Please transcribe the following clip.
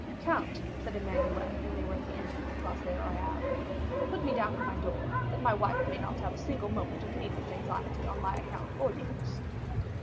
"Count," said Emmanuel, when they were at the end of the Place Royale, "put me down at my door, that my wife may not have a single moment of needless anxiety on my account or yours."